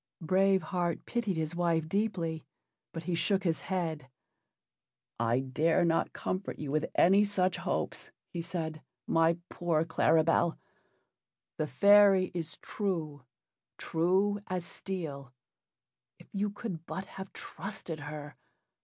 Brave Heart pitied his wife deeply, but he shook his head. "I dare not comfort you with any such hopes," he said, "my poor Claribel. The fairy is true true as steel if you could but have trusted her!